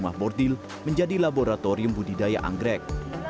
di laboratorium budidaya anggrek pemkot surabaya juga menjelaskan kebun anggrek